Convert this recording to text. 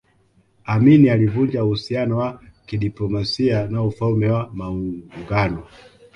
Amin alivunja uhusiano wa kidiplomasia na Ufalme wa Maungano